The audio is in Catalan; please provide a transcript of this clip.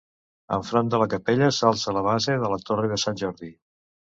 Enfront de la capella s'alça la base de la torre de Sant Jordi.